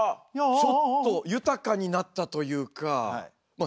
ちょっと豊かになったというかまあ